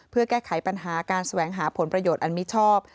เพื่อแก้ไขปัญหาการแสวงหาผลประโยชน์อันมิชอบ